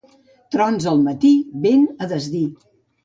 Trons al matí, vent a desdir.